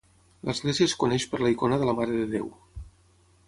L'església es coneix per la icona de la Mare de Déu.